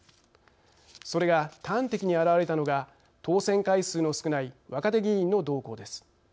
それが端的に表れたのが当選回数の少ない若手議員の動向です。